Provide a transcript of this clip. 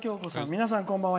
「皆さん、こんばんは。